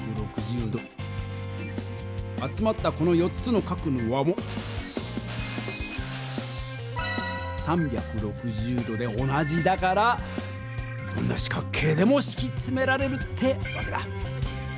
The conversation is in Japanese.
集まったこの４つの角の和も３６０度で同じだからどんな四角形でもしきつめられるってわけだ。